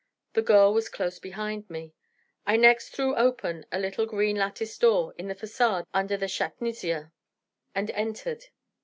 The girl was close behind me. I next threw open a little green lattice door in the façade under the shaknisier, and entered.